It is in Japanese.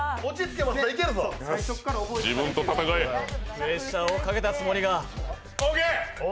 プレッシャーをかけたつもりがオーケー。